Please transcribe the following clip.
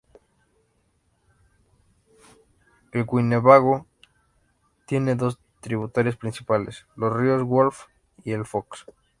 El Winnebago tiene dos tributarios principales, los ríos Wolf y el Fox.